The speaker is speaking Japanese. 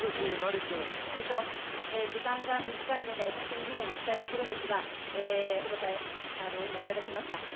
時間が短いので、本当に議論したいところですが、お答え、今いただきました。